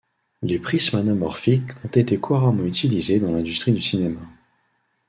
Les prismes anamorphiques ont été couramment utilisés dans l’industrie du cinéma.